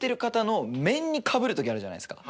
時あるじゃないですか